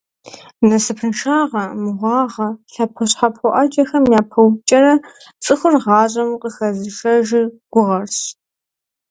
Насыпыншагъэ, мыгъуагъэ, лъэпощхьэпо Ӏэджэхэм япэувкӀэрэ, цӀыхур гъащӀэм къыхэзышэжыр гугъэрщ.